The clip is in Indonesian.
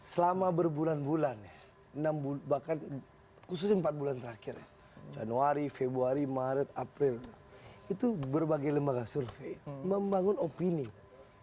selama berbulan bulan bahkan khususnya empat bulan terakhir januari februari maret april itu berbagai lembaga survei membangun opini kepada rakyat indonesia